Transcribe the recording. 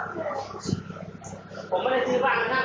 ผมรับทางนะครับผมไม่ได้ซื้อบ้านนะครับ